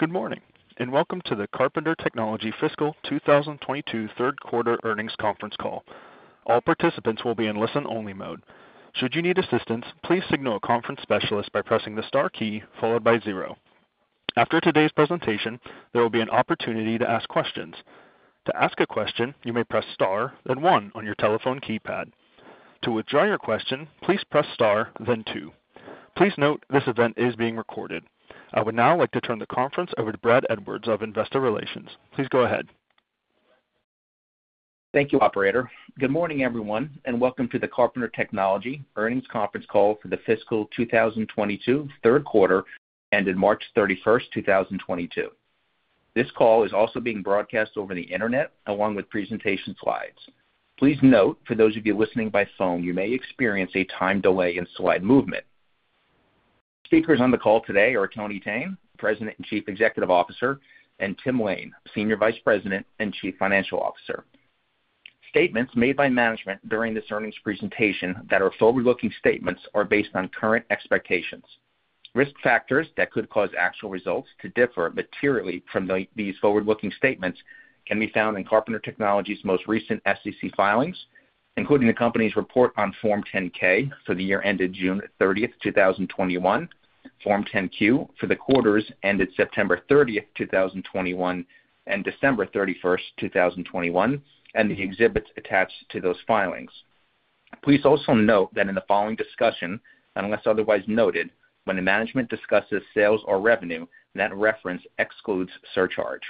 Good morning, and welcome to the Carpenter Technology Fiscal 2022 third quarter earnings conference call. All participants will be in listen-only mode. Should you need assistance, please signal a conference specialist by pressing the star key followed by zero. After today's presentation, there will be an opportunity to ask questions. To ask a question, you may press star then one on your telephone keypad. To withdraw your question, please press star then two. Please note, this event is being recorded. I would now like to turn the conference over to Brad Edwards of Investor Relations. Please go ahead. Thank you, operator. Good morning, everyone, and welcome to the Carpenter Technology earnings conference call for the fiscal 2022 third quarter ended March 31st, 2022. This call is also being broadcast over the internet along with presentation slides. Please note, for those of you listening by phone, you may experience a time delay in slide movement. Speakers on the call today are Tony Thene, President and Chief Executive Officer, and Tim Lain, Senior Vice President and Chief Financial Officer. Statements made by management during this earnings presentation that are forward-looking statements are based on current expectations. Risk factors that could cause actual results to differ materially from these forward-looking statements can be found in Carpenter Technology's most recent SEC filings, including the company's report on Form 10-K for the year ended June 30th, 2021, Form 10-Q for the quarters ended September 30th, 2021, and December 31st, 2021, and the exhibits attached to those filings. Please also note that in the following discussion, unless otherwise noted, when the management discusses sales or revenue, that reference excludes surcharge.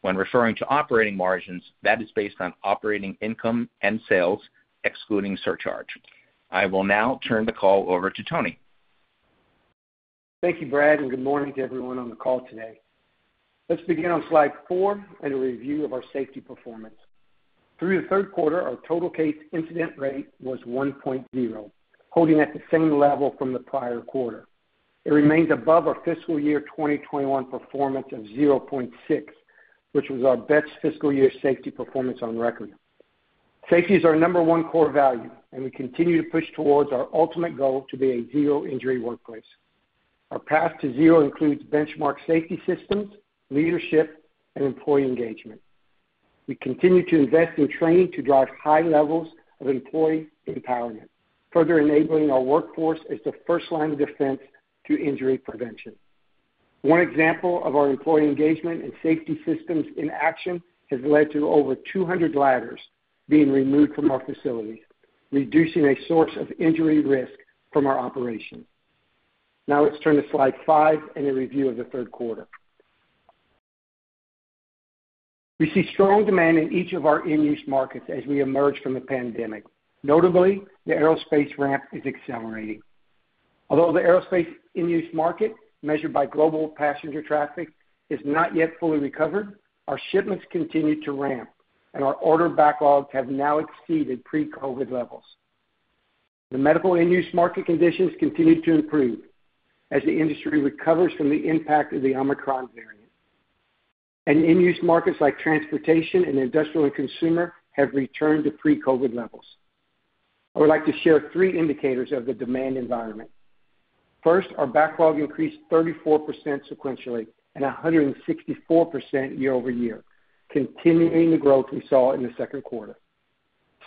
When referring to operating margins, that is based on operating income and sales, excluding surcharge. I will now turn the call over to Tony. Thank you, Brad, and good morning to everyone on the call today. Let's begin on slide four in a review of our safety performance. Through the third quarter, our total case incident rate was 1.0, holding at the same level from the prior quarter. It remains above our fiscal year 2021 performance of 0.6, which was our best fiscal year safety performance on record. Safety is our number one core value, and we continue to push towards our ultimate goal to be a zero injury workplace. Our path to zero includes benchmark safety systems, leadership, and employee engagement. We continue to invest in training to drive high levels of employee empowerment, further enabling our workforce as the first line of defense to injury prevention. One example of our employee engagement and safety systems in action has led to over 200 ladders being removed from our facilities, reducing a source of injury risk from our operations. Now let's turn to slide 5 and a review of the third quarter. We see strong demand in each of our end-use markets as we emerge from the pandemic. Notably, the aerospace ramp is accelerating. Although the aerospace end-use market, measured by global passenger traffic, is not yet fully recovered, our shipments continue to ramp, and our order backlogs have now exceeded pre-COVID levels. The medical end-use market conditions continue to improve as the industry recovers from the impact of the Omicron variant. End-use markets like transportation and industrial and consumer have returned to pre-COVID levels. I would like to share three indicators of the demand environment. First, our backlog increased 34% sequentially and 164% year-over-year, continuing the growth we saw in the second quarter.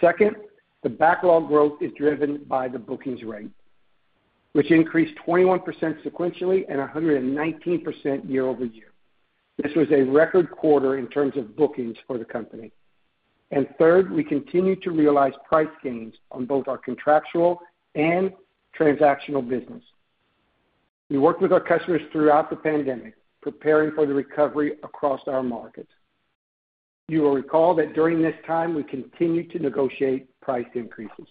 Second, the backlog growth is driven by the bookings rate, which increased 21% sequentially and 119% year-over- year. This was a record quarter in terms of bookings for the company. Third, we continue to realize price gains on both our contractual and transactional business. We worked with our customers throughout the pandemic, preparing for the recovery across our markets. You will recall that during this time, we continued to negotiate price increases.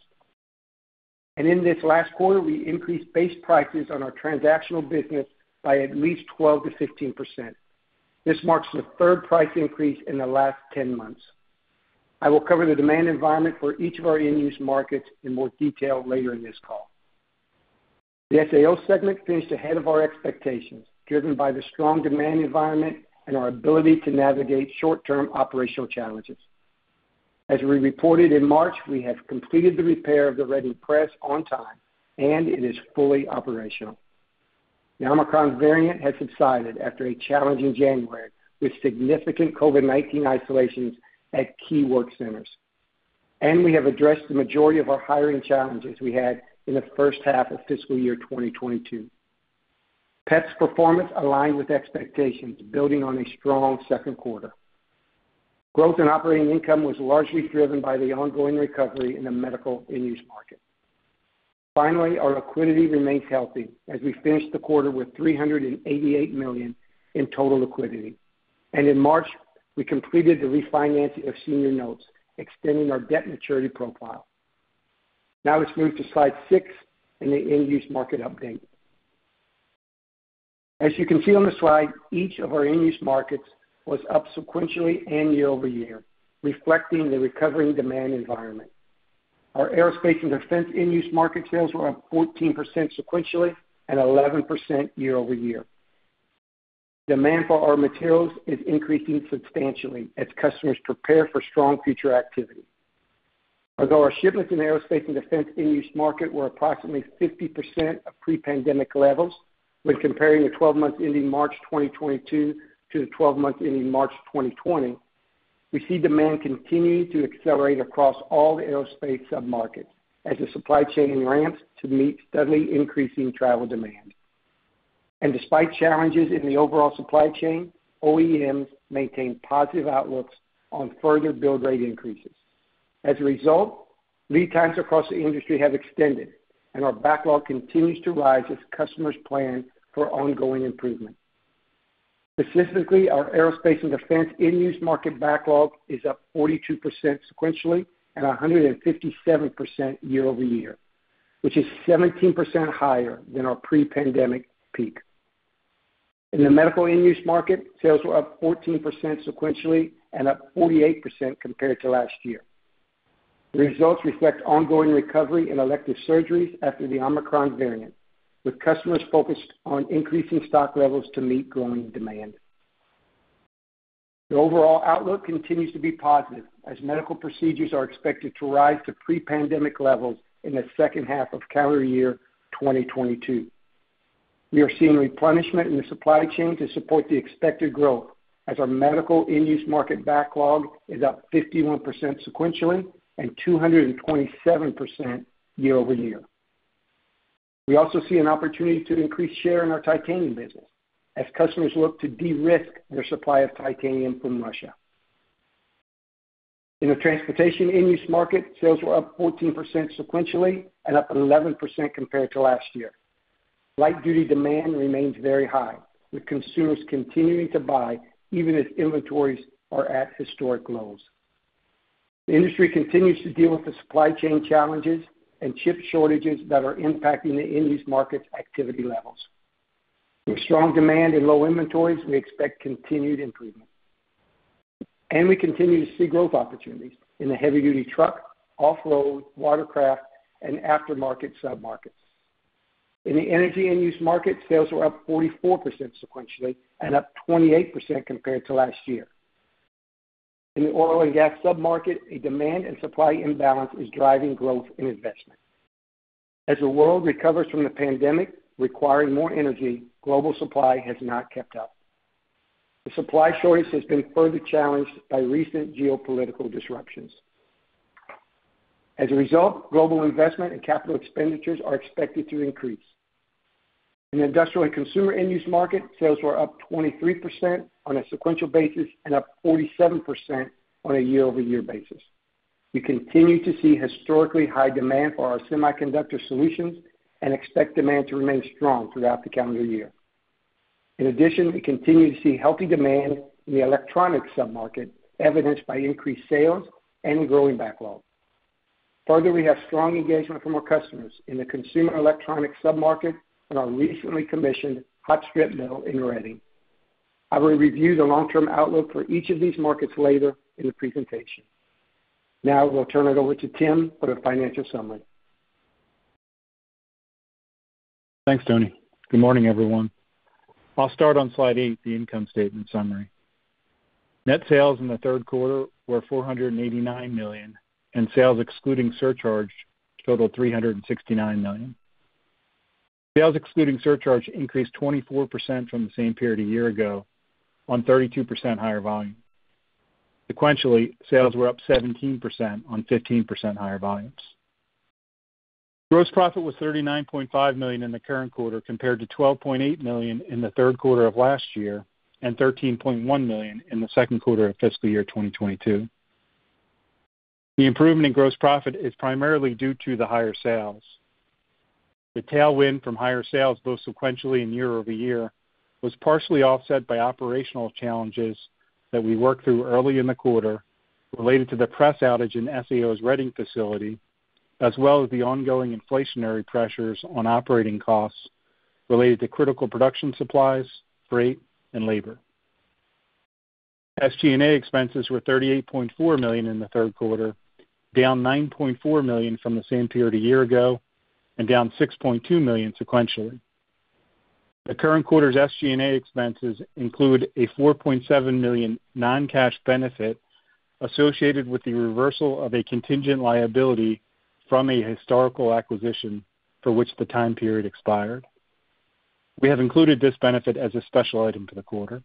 In this last quarter, we increased base prices on our transactional business by at least 12%-15%. This marks the third price increase in the last 10 months. I will cover the demand environment for each of our end-use markets in more detail later in this call. The SAO segment finished ahead of our expectations, driven by the strong demand environment and our ability to navigate short-term operational challenges. As we reported in March, we have completed the repair of the Reading Press on time, and it is fully operational. The Omicron variant has subsided after a challenging January, with significant COVID-19 isolations at key work centers. We have addressed the majority of our hiring challenges we had in the first half of fiscal year 2022. PEP's performance aligned with expectations, building on a strong second quarter. Growth in operating income was largely driven by the ongoing recovery in the medical end-use market. Finally, our liquidity remains healthy as we finished the quarter with $388 million in total liquidity. In March, we completed the refinancing of senior notes, extending our debt maturity profile. Now let's move to slide 6 in the end-use market update. As you can see on the slide, each of our end-use markets was up sequentially and year-over-year, reflecting the recovering demand environment. Our aerospace and defense end-use market sales were up 14% sequentially and 11% year-over-year. Demand for our materials is increasing substantially as customers prepare for strong future activity. Although our shipments in the aerospace and defense end-use market were approximately 50% of pre-pandemic levels when comparing the twelve months ending March 2022 to the twelve months ending March 2020, we see demand continuing to accelerate across all the aerospace sub-markets as the supply chain ramps to meet steadily increasing travel demand. Despite challenges in the overall supply chain, OEMs maintain positive outlooks on further build rate increases. As a result, lead times across the industry have extended, and our backlog continues to rise as customers plan for ongoing improvement. Specifically, our aerospace and defense end-use market backlog is up 42% sequentially, and 157% year-over-year, which is 17% higher than our pre-pandemic peak. In the medical end-use market, sales were up 14% sequentially and up 48% compared to last year. The results reflect ongoing recovery in elective surgeries after the Omicron variant, with customers focused on increasing stock levels to meet growing demand. The overall outlook continues to be positive as medical procedures are expected to rise to pre-pandemic levels in the second half of calendar year 2022. We are seeing replenishment in the supply chain to support the expected growth as our medical end-use market backlog is up 51% sequentially and 227% year-over-year. We also see an opportunity to increase share in our titanium business as customers look to de-risk their supply of titanium from Russia. In the transportation end-use market, sales were up 14% sequentially and up 11% compared to last year. Light-duty demand remains very high, with consumers continuing to buy even as inventories are at historic lows. The industry continues to deal with the supply chain challenges and chip shortages that are impacting the end-use market's activity levels. With strong demand and low inventories, we expect continued improvement. We continue to see growth opportunities in the heavy-duty truck, off-road, watercraft, and aftermarket sub-markets. In the energy end-use market, sales were up 44% sequentially and up 28% compared to last year. In the oil and gas sub-market, a demand and supply imbalance is driving growth and investment. As the world recovers from the pandemic, requiring more energy, global supply has not kept up. The supply shortage has been further challenged by recent geopolitical disruptions. As a result, global investment and capital expenditures are expected to increase. In the industrial and consumer end-use market, sales were up 23% on a sequential basis and up 47% on a year-over-year basis. We continue to see historically high demand for our semiconductor solutions and expect demand to remain strong throughout the calendar year. In addition, we continue to see healthy demand in the electronic sub-market, evidenced by increased sales and growing backlogs. Further, we have strong engagement from our customers in the consumer electronics sub-market and our recently commissioned hot strip mill in Reading. I will review the long-term outlook for each of these markets later in the presentation. Now I will turn it over to Tim for the financial summary. Thanks, Tony. Good morning, everyone. I'll start on slide 8, the income statement summary. Net sales in the third quarter were $489 million, and sales excluding surcharge totaled $369 million. Sales excluding surcharge increased 24% from the same period a year ago on 32% higher volume. Sequentially, sales were up 17% on 15% higher volumes. Gross profit was $39.5 million in the current quarter compared to $12.8 million in the third quarter of last year and $13.1 million in the second quarter of fiscal year 2022. The improvement in gross profit is primarily due to the higher sales. The tailwind from higher sales, both sequentially and year-over-year, was partially offset by operational challenges that we worked through early in the quarter related to the press outage in SAO's Reading facility, as well as the ongoing inflationary pressures on operating costs related to critical production supplies, freight, and labor. SG&A expenses were $38.4 million in the third quarter, down $9.4 million from the same period a year ago and down $6.2 million sequentially. The current quarter's SG&A expenses include a $4.7 million non-cash benefit associated with the reversal of a contingent liability from a historical acquisition for which the time period expired. We have included this benefit as a special item for the quarter.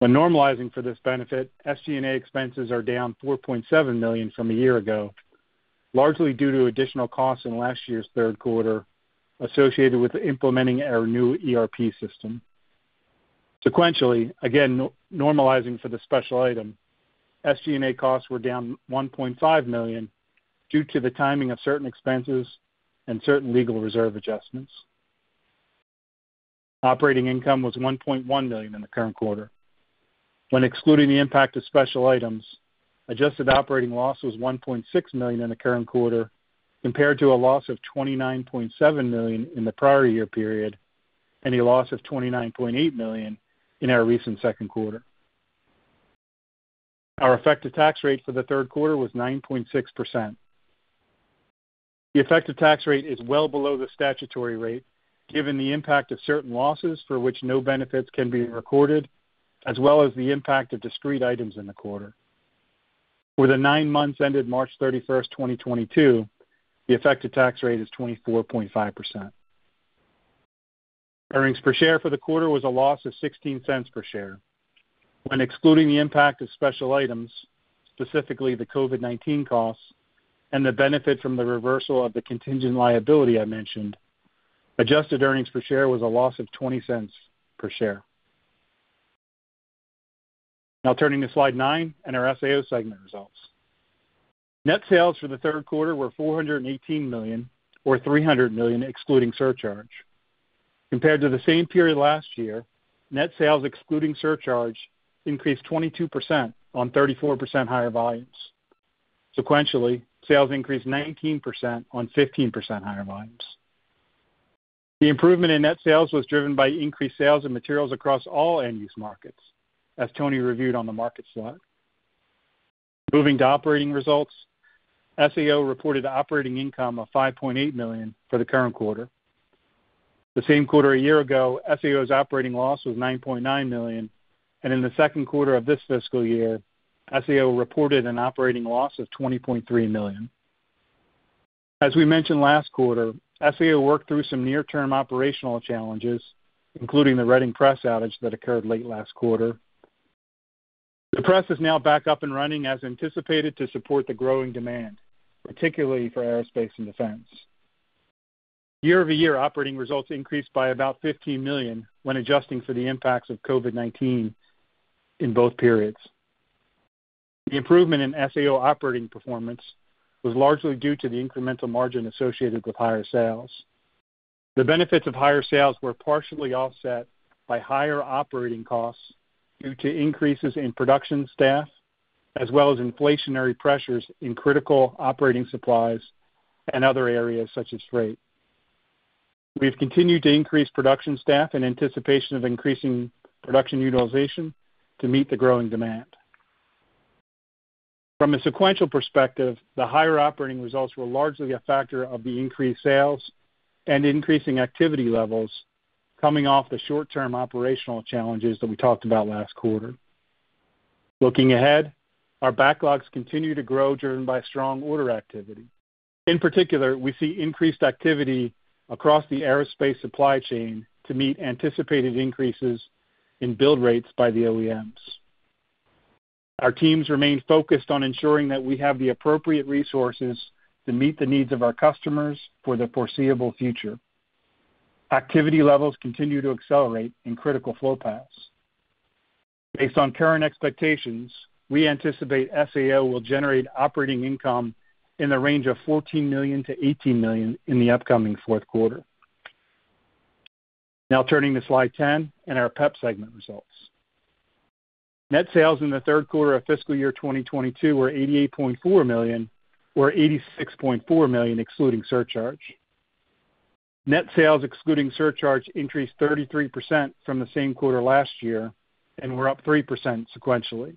When normalizing for this benefit, SG&A expenses are down $4.7 million from a year ago, largely due to additional costs in last year's third quarter associated with implementing our new ERP system. Sequentially, again, non-normalizing for the special item, SG&A costs were down $1.5 million due to the timing of certain expenses and certain legal reserve adjustments. Operating income was $1.1 million in the current quarter. When excluding the impact of special items, adjusted operating loss was $1.6 million in the current quarter compared to a loss of $29.7 million in the prior year period and a loss of $29.8 million in our recent second quarter. Our effective tax rate for the third quarter was 9.6%. The effective tax rate is well below the statutory rate, given the impact of certain losses for which no benefits can be recorded, as well as the impact of discrete items in the quarter. For the nine months ended March 31st, 2022, the effective tax rate is 24.5%. Earnings per share for the quarter was a loss of $0.16 per share. When excluding the impact of special items, specifically the COVID-19 costs and the benefit from the reversal of the contingent liability I mentioned, adjusted earnings per share was a loss of $0.20 per share. Now turning to slide 9 and our SAO segment results. Net sales for the third quarter were $418 million or $300 million excluding surcharge. Compared to the same period last year, net sales excluding surcharge increased 22% on 34% higher volumes. Sequentially, sales increased 19% on 15% higher volumes. The improvement in net sales was driven by increased sales in materials across all end-use markets, as Tony reviewed on the market slide. Moving to operating results, SAO reported operating income of $5.8 million for the current quarter. The same quarter a year ago, SAO's operating loss was $9.9 million. In the second quarter of this fiscal year, SAO reported an operating loss of $20.3 million. As we mentioned last quarter, SAO worked through some near-term operational challenges, including the Reading Press outage that occurred late last quarter. The press is now back up and running as anticipated to support the growing demand, particularly for aerospace and defense. Year-over-year operating results increased by about $15 million when adjusting for the impacts of COVID-19 in both periods. The improvement in SAO operating performance was largely due to the incremental margin associated with higher sales. The benefits of higher sales were partially offset by higher operating costs due to increases in production staff as well as inflationary pressures in critical operating supplies and other areas such as rate. We've continued to increase production staff in anticipation of increasing production utilization to meet the growing demand. From a sequential perspective, the higher operating results were largely a factor of the increased sales and increasing activity levels coming off the short-term operational challenges that we talked about last quarter. Looking ahead, our backlogs continue to grow, driven by strong order activity. In particular, we see increased activity across the aerospace supply chain to meet anticipated increases in build rates by the OEMs. Our teams remain focused on ensuring that we have the appropriate resources to meet the needs of our customers for the foreseeable future. Activity levels continue to accelerate in critical flow paths. Based on current expectations, we anticipate SAO will generate operating income in the range of $14 million-$18 million in the upcoming fourth quarter. Now turning to slide 10 and our PEP segment results. Net sales in the third quarter of fiscal year 2022 were $88.4 million or $86.4 million excluding surcharge. Net sales excluding surcharge increased 33% from the same quarter last year and were up 3% sequentially.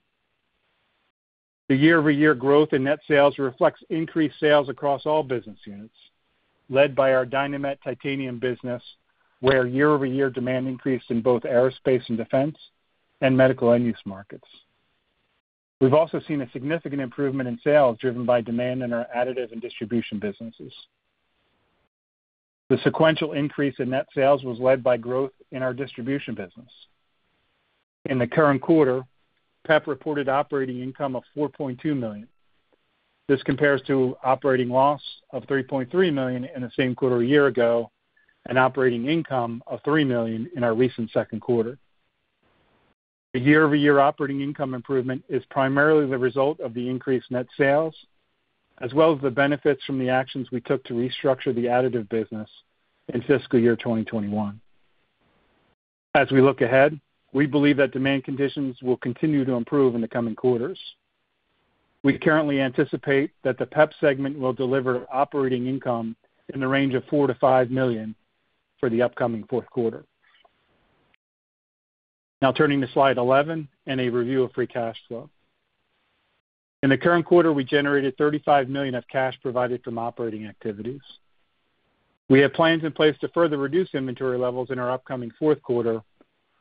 The year-over-year growth in net sales reflects increased sales across all business units, led by our Dynamet titanium business, where year-over-year demand increased in both aerospace and defense and medical end-use markets. We've also seen a significant improvement in sales driven by demand in our additive and distribution businesses. The sequential increase in net sales was led by growth in our distribution business. In the current quarter, PEP reported operating income of $4.2 million. This compares to operating loss of $3.3 million in the same quarter a year ago and operating income of $3 million in our recent second quarter. The year-over-year operating income improvement is primarily the result of the increased net sales as well as the benefits from the actions we took to restructure the additive business in fiscal year 2021. As we look ahead, we believe that demand conditions will continue to improve in the coming quarters. We currently anticipate that the PEP segment will deliver operating income in the range of $4 million-$5 million for the upcoming fourth quarter. Now turning to slide 11 and a review of free cash flow. In the current quarter, we generated $35 million of cash provided from operating activities. We have plans in place to further reduce inventory levels in our upcoming fourth quarter,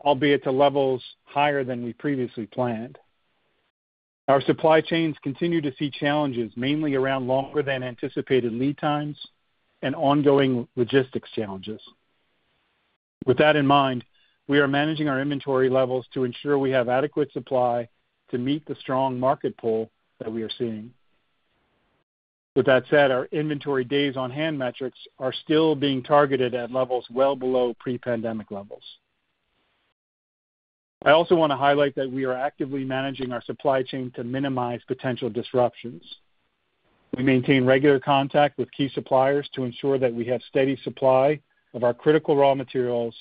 albeit to levels higher than we previously planned. Our supply chains continue to see challenges mainly around longer than anticipated lead times and ongoing logistics challenges. With that in mind, we are managing our inventory levels to ensure we have adequate supply to meet the strong market pull that we are seeing. With that said, our inventory days on hand metrics are still being targeted at levels well below pre-pandemic levels. I also want to highlight that we are actively managing our supply chain to minimize potential disruptions. We maintain regular contact with key suppliers to ensure that we have steady supply of our critical raw materials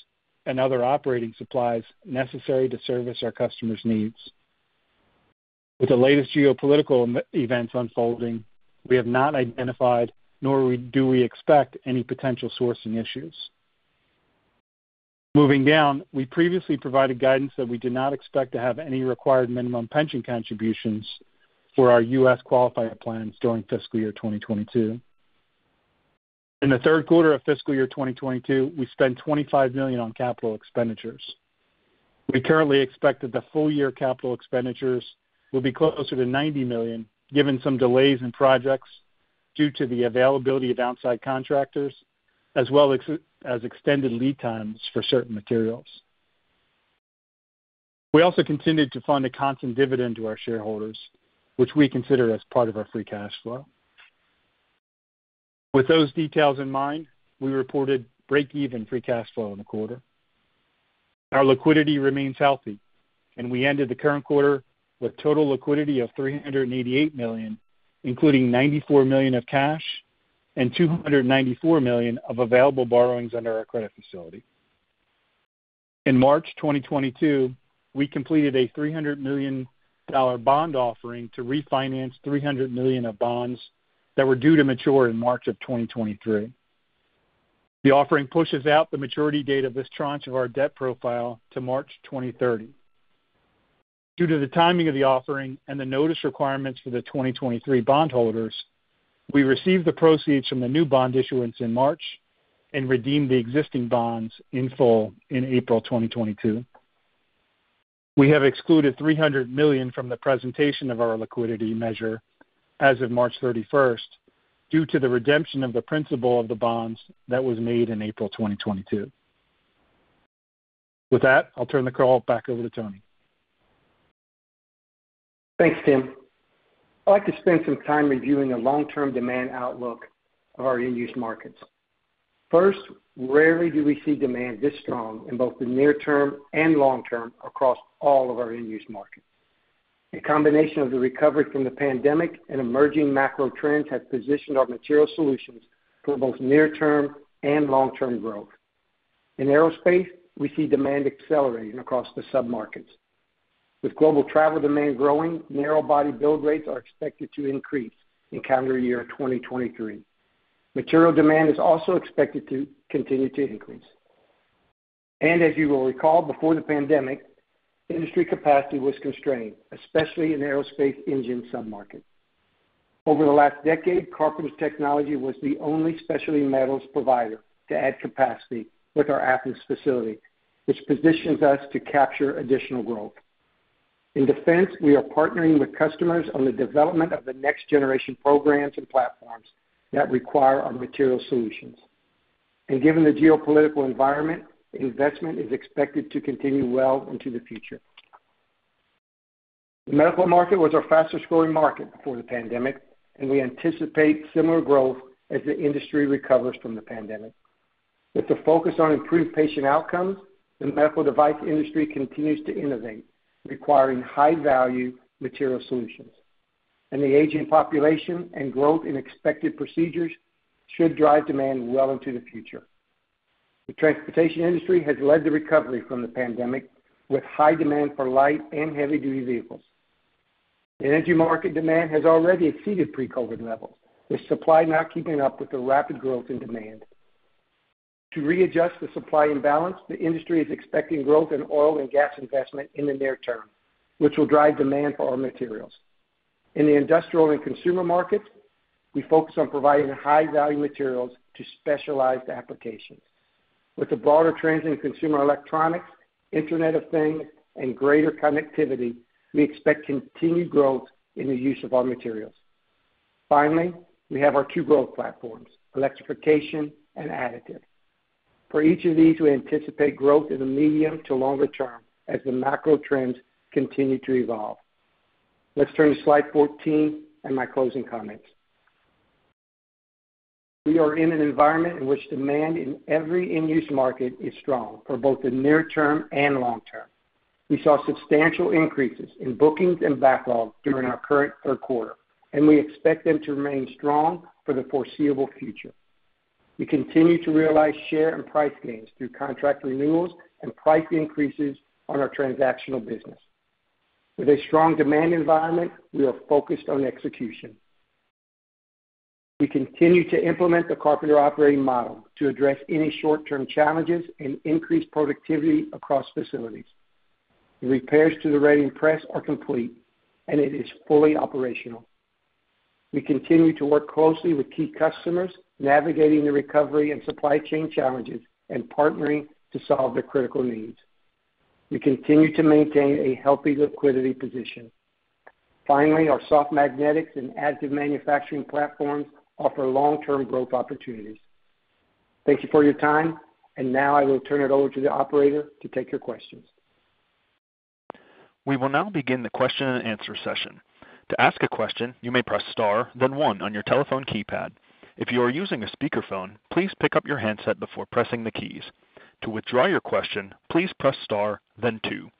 and other operating supplies necessary to service our customers' needs. With the latest geopolitical events unfolding, we have not identified, nor do we expect any potential sourcing issues. Moving down, we previously provided guidance that we did not expect to have any required minimum pension contributions for our U.S. qualifying plans during fiscal year 2022. In the third quarter of fiscal year 2022, we spent $25 million on capital expenditures. We currently expect that the full-year capital expenditures will be closer to $90 million, given some delays in projects due to the availability of outside contractors, as well as extended lead times for certain materials. We also continued to fund a constant dividend to our shareholders, which we consider as part of our free cash flow. With those details in mind, we reported break-even free cash flow in the quarter. Our liquidity remains healthy, and we ended the current quarter with total liquidity of $388 million, including $94 million of cash and $294 million of available borrowings under our credit facility. In March 2022, we completed a $300 million bond offering to refinance $300 million of bonds that were due to mature in March 2023. The offering pushes out the maturity date of this tranche of our debt profile to March 2030. Due to the timing of the offering and the notice requirements for the 2023 bond holders, we received the proceeds from the new bond issuance in March and redeemed the existing bonds in full in April 2022. We have excluded $300 million from the presentation of our liquidity measure as of March 31st due to the redemption of the principal of the bonds that was made in April 2022. With that, I'll turn the call back over to Tony. Thanks, Tim. I'd like to spend some time reviewing the long-term demand outlook of our end-use markets. First, rarely do we see demand this strong in both the near term and long-term across all of our end-use markets. A combination of the recovery from the pandemic and emerging macro trends has positioned our material solutions for both near term and long-term growth. In aerospace, we see demand accelerating across the sub-markets. With global travel demand growing, narrow body build rates are expected to increase in calendar year 2023. Material demand is also expected to continue to increase. As you will recall, before the pandemic, industry capacity was constrained, especially in aerospace engine sub-market. Over the last decade, Carpenter Technology was the only specialty metals provider to add capacity with our Athens facility, which positions us to capture additional growth. In defense, we are partnering with customers on the development of the next generation programs and platforms that require our material solutions. Given the geopolitical environment, investment is expected to continue well into the future. The medical market was our fastest-growing market before the pandemic, and we anticipate similar growth as the industry recovers from the pandemic. With the focus on improved patient outcomes, the medical device industry continues to innovate, requiring high-value material solutions. The aging population and growth in expected procedures should drive demand well into the future. The transportation industry has led the recovery from the pandemic with high demand for light and heavy duty vehicles. The energy market demand has already exceeded pre-COVID levels, with supply not keeping up with the rapid growth in demand. To readjust the supply imbalance, the industry is expecting growth in oil and gas investment in the near term, which will drive demand for our materials. In the industrial and consumer markets, we focus on providing high-value materials to specialized applications. With the broader trends in consumer electronics, Internet of Things, and greater connectivity, we expect continued growth in the use of our materials. Finally, we have our two growth platforms, electrification and additive. For each of these, we anticipate growth in the medium to longer term as the macro trends continue to evolve. Let's turn to slide 14 and my closing comments. We are in an environment in which demand in every end-use market is strong for both the near term and long-term. We saw substantial increases in bookings and backlogs during our current third quarter, and we expect them to remain strong for the foreseeable future. We continue to realize share and price gains through contract renewals and price increases on our transactional business. With a strong demand environment, we are focused on execution. We continue to implement the Carpenter Operating Model to address any short-term challenges and increase productivity across facilities. The repairs to the Reading Press are complete, and it is fully operational. We continue to work closely with key customers, navigating the recovery and supply chain challenges and partnering to solve their critical needs. We continue to maintain a healthy liquidity position. Finally, our Soft Magnetics and additive manufacturing platforms offer long-term growth opportunities. Thank you for your time. Now I will turn it over to the operator to take your questions. We will now begin the question and answer session. To ask a question, you may press star, then one on your telephone keypad. If you are using a speakerphone, please pick up your handset before pressing the keys. To withdraw your question, please press star then two.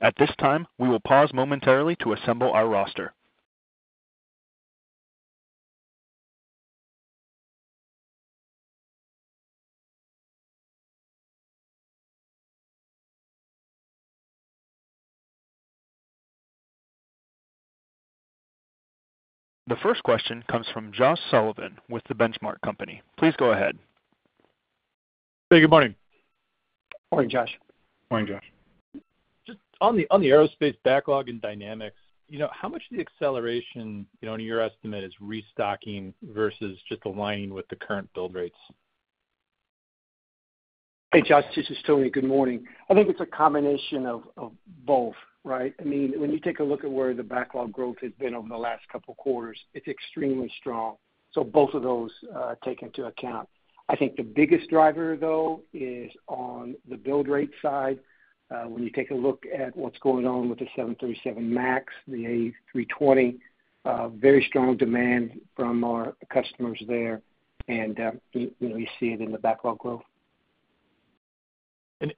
At this time, we will pause momentarily to assemble our roster. The first question comes from Josh Sullivan with The Benchmark Company. Please go ahead. Hey, good morning. Morning, Josh. Morning, Josh. Just on the aerospace backlog and dynamics, you know, how much of the acceleration, you know, in your estimate is restocking versus just aligning with the current build rates? Hey, Josh, this is Tony. Good morning. I think it's a combination of both, right? I mean, when you take a look at where the backlog growth has been over the last couple of quarters, it's extremely strong. Both of those take into account. I think the biggest driver, though, is on the build rate side. When you take a look at what's going on with the 737 MAX, the A320, very strong demand from our customers there, and, you know, you see it in the backlog growth.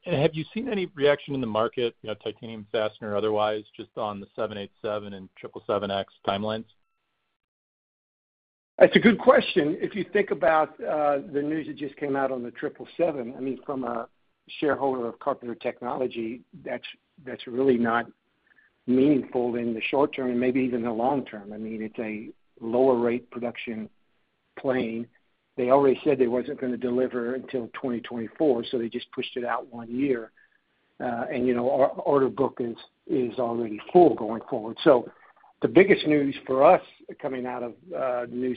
Have you seen any reaction in the market, you know, titanium, fastener, otherwise, just on the 787 and 777X timelines? That's a good question. If you think about the news that just came out on the 777, I mean, from a shareholder of Carpenter Technology, that's really not meaningful in the short term and maybe even the long-term. I mean, it's a lower rate production plane. They already said they wasn't gonna deliver until 2024, so they just pushed it out one year. You know, our order book is already full going forward. The biggest news for us coming out of news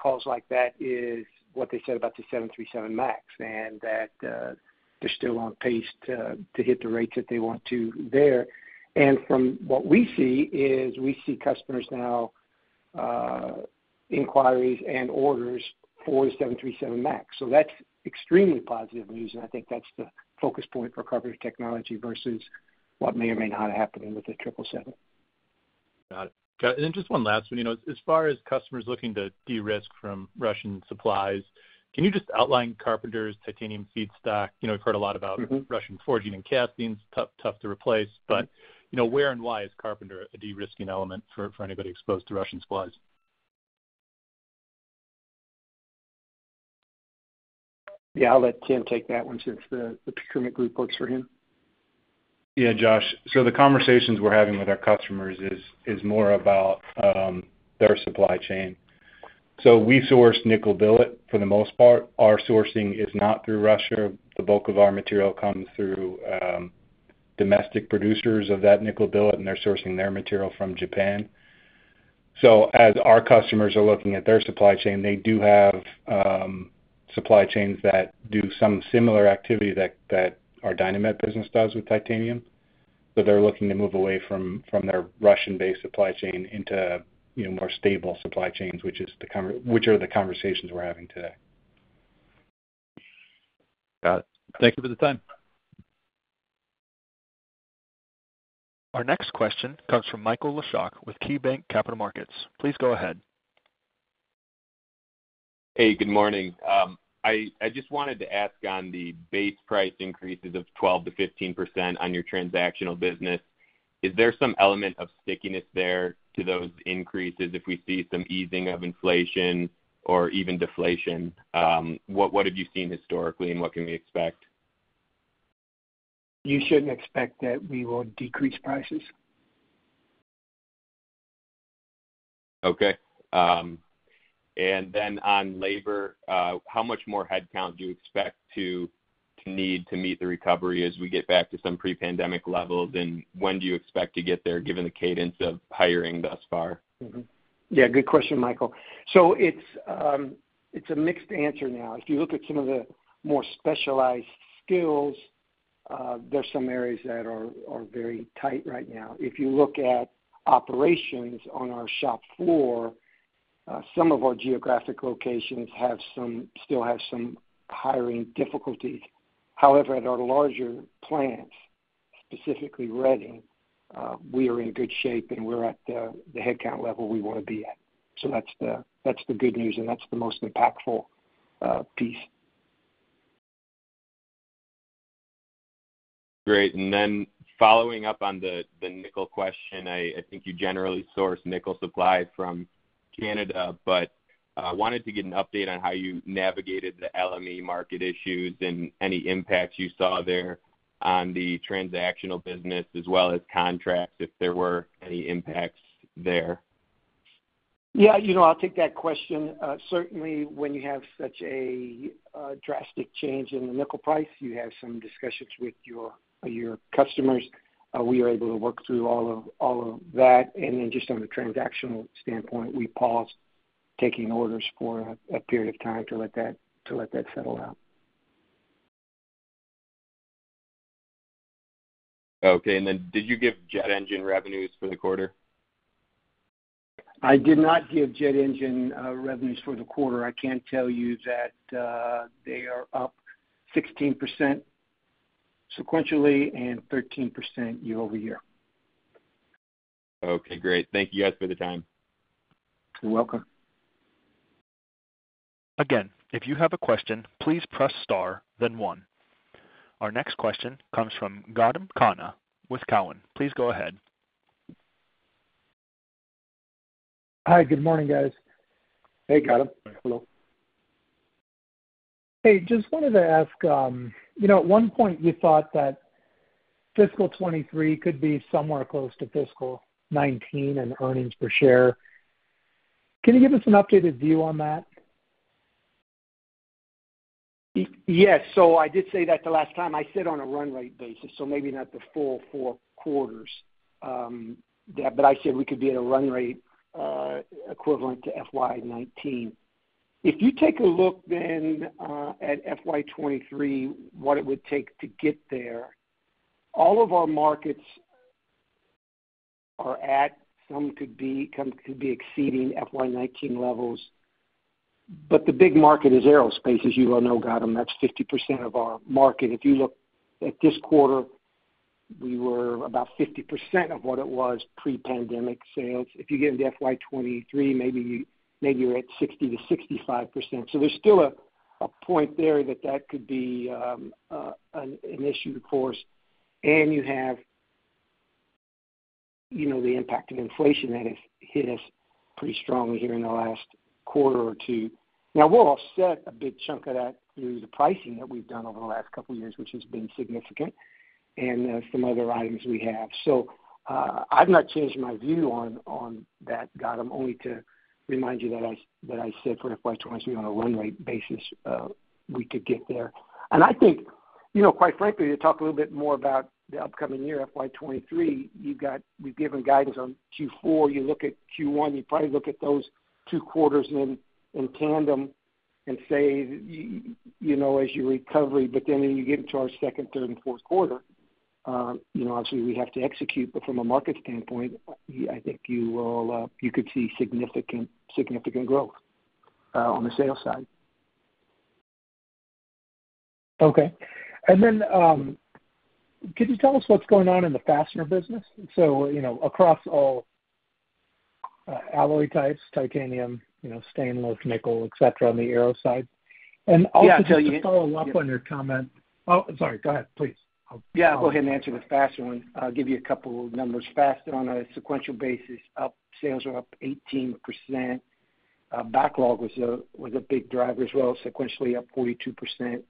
calls like that is what they said about the 737 MAX, and that they're still on pace to hit the rates that they want to there. From what we see is we see customers now inquiries and orders for 737 MAX. That's extremely positive news, and I think that's the focus point for Carpenter Technology versus what may or may not happen with the 777. Got it. Just one last one. You know, as far as customers looking to de-risk from Russian supplies, can you just outline Carpenter's titanium feedstock? You know, we've heard a lot about. Mm-hmm. Russian forging and castings, tough to replace. You know, where and why is Carpenter a de-risking element for anybody exposed to Russian supplies? Yeah, I'll let Tim take that one since the procurement group works for him. Yeah, Josh. The conversations we're having with our customers is more about their supply chain. We source nickel billet for the most part. Our sourcing is not through Russia. The bulk of our material comes through domestic producers of that nickel billet, and they're sourcing their material from Japan. As our customers are looking at their supply chain, they do have supply chains that do some similar activity that our Dynamet business does with titanium. They're looking to move away from their Russian-based supply chain into, you know, more stable supply chains, which are the conversations we're having today. Got it. Thank you for the time. Our next question comes from Michael Leshock with KeyBanc Capital Markets. Please go ahead. Hey, good morning. I just wanted to ask on the base price increases of 12%-15% on your transactional business, is there some element of stickiness there to those increases if we see some easing of inflation or even deflation? What have you seen historically, and what can we expect? You shouldn't expect that we will decrease prices. Okay. On labor, how much more headcount do you expect to need to meet the recovery as we get back to some pre-pandemic levels? When do you expect to get there, given the cadence of hiring thus far? Yeah, good question, Michael. It's a mixed answer now. If you look at some of the more specialized skills, there's some areas that are very tight right now. If you look at operations on our shop floor, some of our geographic locations still have some hiring difficulties. However, at our larger plants, specifically Reading, we are in good shape, and we're at the headcount level we wanna be at. That's the good news, and that's the most impactful piece. Great. Following up on the nickel question, I think you generally source nickel supply from Canada, but wanted to get an update on how you navigated the LME market issues and any impacts you saw there on the transactional business as well as contracts if there were any impacts there. Yeah, you know, I'll take that question. Certainly when you have such a drastic change in the nickel price, you have some discussions with your customers. We are able to work through all of that. Then just on the transactional standpoint, we paused taking orders for a period of time to let that settle out. Okay. Did you give jet engine revenues for the quarter? I did not give jet engine revenues for the quarter. I can tell you that they are up 16% sequentially and 13% year-over-year. Okay, great. Thank you guys for the time. You're welcome. Again, if you have a question, please press star then one. Our next question comes from Gautam Khanna with Cowen. Please go ahead. Hi. Good morning, guys. Hey, Gautam. Hello. Hey, just wanted to ask, you know, at one point you thought that fiscal 2023 could be somewhere close to fiscal 2019 in earnings per share. Can you give us an updated view on that? Yes. I did say that the last time. I said on a run rate basis, maybe not the full 4 quarters. I said we could be at a run rate equivalent to FY 2019. If you take a look then at FY 2023, what it would take to get there, all of our markets are at, some could be exceeding FY 2019 levels. The big market is aerospace, as you well know, Gautam. That's 50% of our market. If you look at this quarter, we were about 50% of what it was pre-pandemic sales. If you get into FY 2023, maybe you're at 60%-65%. There's still a point there that could be an issue to course. You have, you know, the impact of inflation that has hit us pretty strongly here in the last quarter or two. Now we'll offset a big chunk of that through the pricing that we've done over the last couple years, which has been significant, and some other items we have. I've not changed my view on that, Gautam, only to remind you that I said for FY 2023 on a run rate basis, we could get there. I think, you know, quite frankly, to talk a little bit more about the upcoming year, FY 2023, you've got. We've given guidance on Q4. You look at Q1, you probably look at those two quarters in tandem and say, you know, as your recovery, but then when you get into our second, third, and fourth quarter, you know, obviously we have to execute. From a market standpoint, I think you could see significant growth on the sales side. Okay. Could you tell us what's going on in the fastener business? You know, across all, alloy types, titanium, you know, stainless, nickel, et cetera, on the aero side. Yeah, I'll tell you. Also, just to follow up on your comment. Oh, sorry, go ahead, please. I'll follow up. Yeah, I'll go ahead and answer the fastener one. I'll give you a couple of numbers. Fastener on a sequential basis, up, sales are up 18%. Backlog was a big driver as well, sequentially up 42%,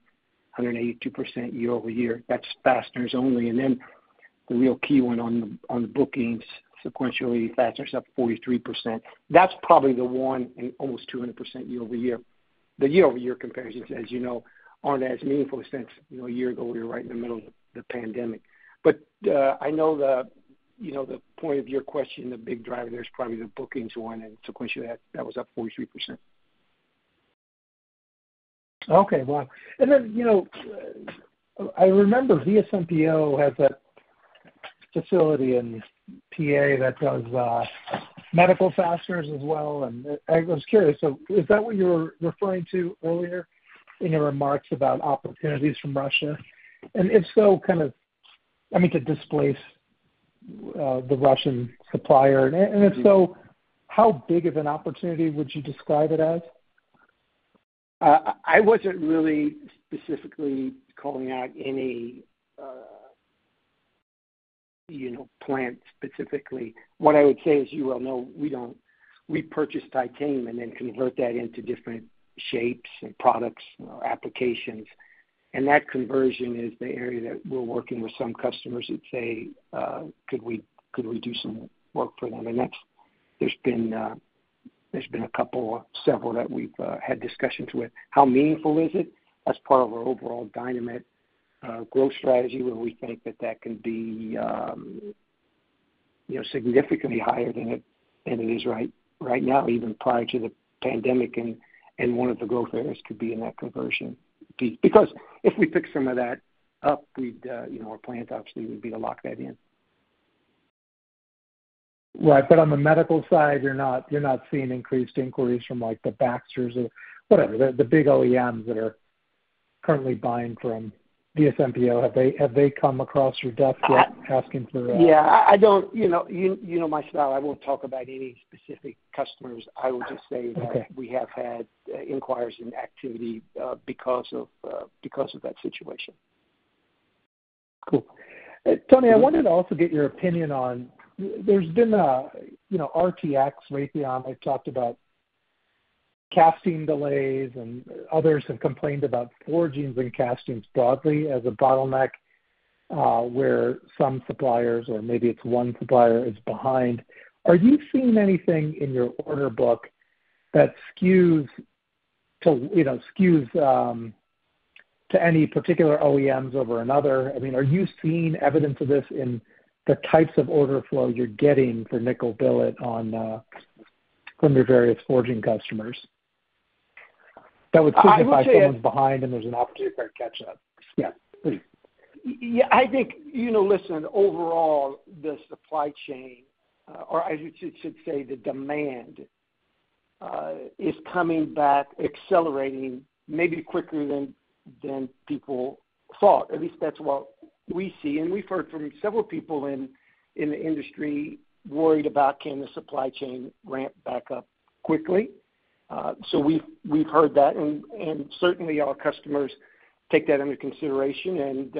182% year-over-year. That's fasteners only. Then the real key one on the bookings, sequentially, fasteners up 43%. That's probably the one in almost 200% year-over-year. The year-over-year comparisons, as you know, aren't as meaningful since, you know, a year ago we were right in the middle of the pandemic. I know the point of your question, the big driver there is probably the bookings one, and sequentially that was up 43%. Okay. Well, you know, I remember VSMPO has a facility in PA that does medical fasteners as well. I was curious, so is that what you were referring to earlier in your remarks about opportunities from Russia? If so, kind of, I mean, to displace the Russian supplier. If so, how big of an opportunity would you describe it as? I wasn't really specifically calling out any, you know, plant specifically. What I would say is, you well know, we purchase titanium and then convert that into different shapes and products, applications. That conversion is the area that we're working with some customers that say, could we do some work for them. That's. There's been a couple or several that we've had discussions with. How meaningful is it? That's part of our overall Dynamet growth strategy, where we think that can be, you know, significantly higher than it is right now, even prior to the pandemic. One of the growth areas could be in that conversion because if we pick some of that up, we'd, you know, our plant obviously would be to lock that in. Right. On the medical side, you're not seeing increased inquiries from like the[Baxter]or whatever, the big OEMs that are currently buying from VSMPO. Have they come across your desk yet asking for? Yeah. I don't, you know my style. I won't talk about any specific customers. Okay. I would just say that we have had inquiries and activity because of that situation. Cool. Tony, I wanted to also get your opinion on, there's been a, you know, RTX, Raytheon have talked about casting delays, and others have complained about forgings and castings broadly as a bottleneck, where some suppliers, or maybe it's one supplier, is behind. Are you seeing anything in your order book that skews to, you know, any particular OEMs over another? I mean, are you seeing evidence of this in the types of order flow you're getting for nickel billet from your various forging customers? That would signify someone's behind and there's an opportunity to catch up. Yeah. Please. Yeah, I think, you know, listen, overall the supply chain, or I should say the demand, is coming back accelerating maybe quicker than people thought. At least that's what we see. We've heard from several people in the industry worried about can the supply chain ramp back up quickly. We've heard that. Certainly our customers take that into consideration and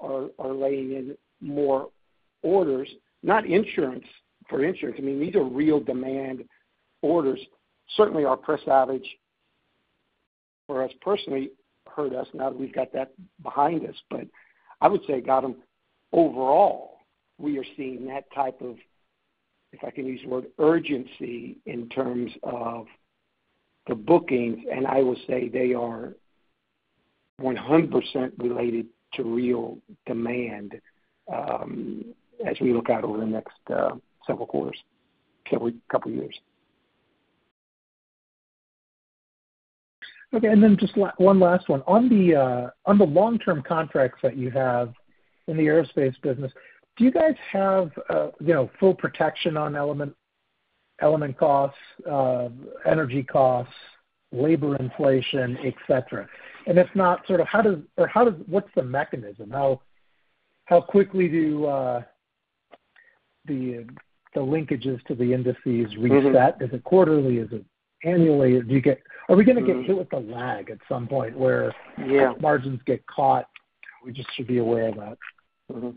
are laying in more orders, not insurance, for insurance. I mean, these are real demand orders. Certainly our press outage for us personally hurt us now that we've got that behind us. I would say, Gautam, overall, we are seeing that type of, if I can use the word urgency in terms of the bookings, and I will say they are 100% related to real demand, as we look out over the next, several quarters, couple years. Okay. Just one last one. On the long-term contracts that you have in the aerospace business, do you guys have, you know, full protection on element costs, energy costs, labor inflation, et cetera? If not, sort of how does what's the mechanism? How quickly do the linkages to the indices reset? Is it quarterly? Is it annually? Are we gonna get hit with a lag at some point where- Yeah. Margins get caught, we just should be aware of that. Mm-hmm.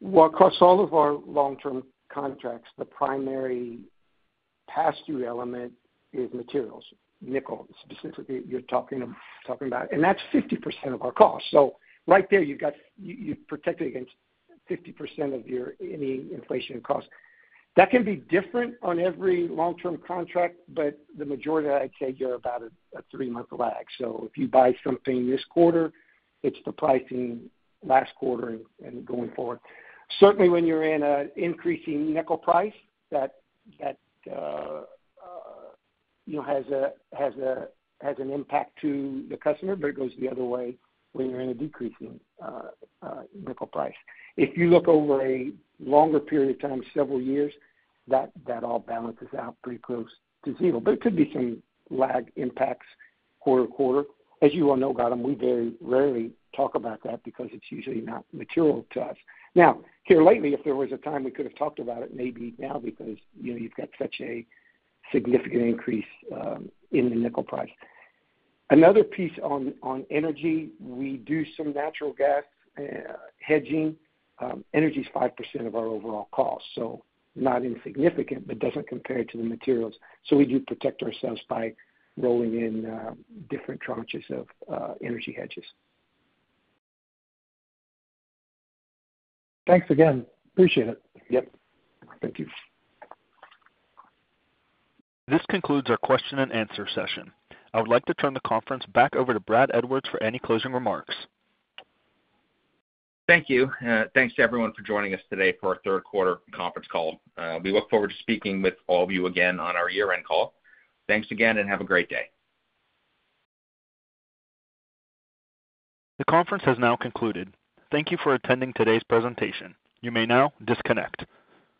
Well, across all of our long-term contracts, the primary pass-through element is materials. Nickel, specifically, you're talking about. That's 50% of our cost. Right there, you've protected against 50% of any inflation costs. That can be different on every long-term contract, but the majority, I'd say, are about a three-month lag. If you buy something this quarter, it's the pricing last quarter and going forward. Certainly when you're in an increasing nickel price that you know has an impact to the customer, but it goes the other way when you're in a decreasing nickel price. If you look over a longer period of time, several years, that all balances out pretty close to zero. There could be some lag impacts quarter to quarter. As you all know, Gautam, we very rarely talk about that because it's usually not material to us. Now, here lately, if there was a time we could have talked about it, maybe now because, you know, you've got such a significant increase in the nickel price. Another piece on energy, we do some natural gas hedging. Energy is 5% of our overall cost, so not insignificant, but doesn't compare to the materials. We do protect ourselves by rolling in different tranches of energy hedges. Thanks again. Appreciate it. Yep. Thank you. This concludes our question and answer session. I would like to turn the conference back over to Brad Edwards for any closing remarks. Thank you. Thanks to everyone for joining us today for our third quarter conference call. We look forward to speaking with all of you again on our year-end call. Thanks again, and have a great day. The conference has now concluded. Thank you for attending today's presentation. You may now disconnect.